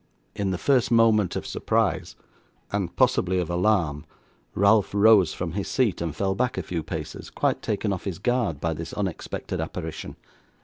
In the first moment of surprise, and possibly of alarm, Ralph rose from his seat, and fell back a few paces, quite taken off his guard by this unexpected apparition.